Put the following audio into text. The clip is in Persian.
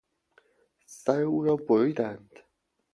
سر او را بریدند.